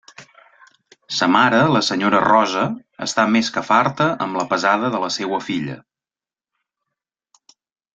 Sa mare, la senyora Rosa, està més que farta amb la pesada de la seua filla.